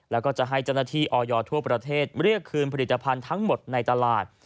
แล้วก็จะให้เจ้าหน้าที่ออยทั่วประเทศเรียกคืนผลิตภัณฑ์ทั้งหมดในตลาด